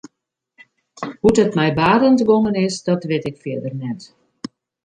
Hoe't it mei Barend gongen is dat wit ik fierder net.